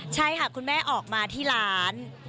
ใช่ค่ะคุณแม่ออกมาที่ร้าน